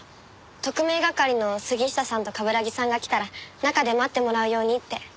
特命係の杉下さんと冠城さんが来たら中で待ってもらうようにって。